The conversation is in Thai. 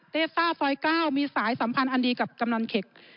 เตซ่าซอย๙มีสายสัมพันธ์อันดีกับกำนันเข็ก